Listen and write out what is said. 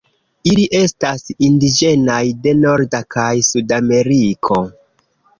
Ili estas indiĝenaj de Norda kaj Sudameriko.